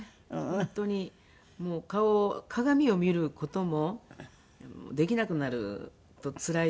本当にもう顔鏡を見る事もできなくなるとつらいじゃないですか。